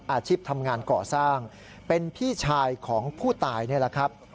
อาชีพทำงานก่อสร้างเป็นพี่ชายของผู้ตายนี่แหละครับ